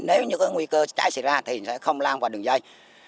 nếu như có nguy cơ cháy xảy ra thì sẽ không lan vào đường dây